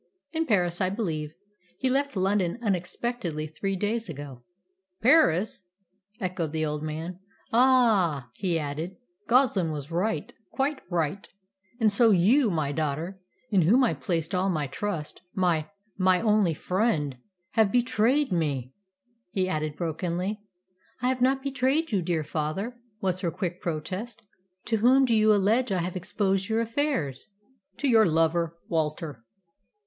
"In Paris, I believe. He left London unexpectedly three days ago." "Paris!" echoed the old man. "Ah," he added, "Goslin was right quite right. And so you, my daughter, in whom I placed all my trust my my only friend have betrayed me!" he added brokenly. "I have not betrayed you, dear father," was her quick protest. "To whom do you allege I have exposed your affairs?" "To your lover, Walter."